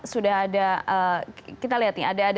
sudah ada kita lihat nih